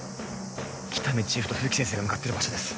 喜多見チーフと冬木先生が向かってる場所です